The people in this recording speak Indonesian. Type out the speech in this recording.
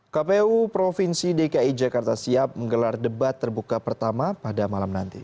kpu provinsi dki jakarta siap menggelar debat terbuka pertama pada malam nanti